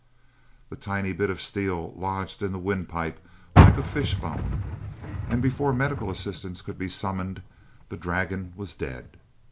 The tiny bit of steel lodged in the windpipe like a fishbone, and before medical assistance could be summoned the dragon was dead.